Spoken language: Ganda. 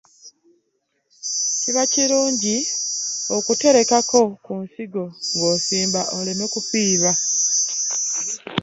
Kiba kirungi okuterekako ku nsigo ng'osimba, oleme kufiirwa.